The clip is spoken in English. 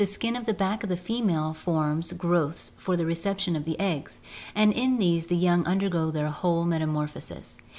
skin of the back of the female forms growths for the reception of the eggs, and in these the young undergo their whole metamorphosis.